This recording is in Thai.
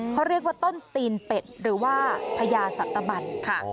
เขาเรียกว่าต้นตีนเป็ดหรือว่าพญาสัตบันค่ะ